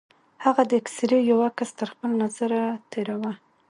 هغه د اکسرې يو عکس تر خپل نظره تېراوه.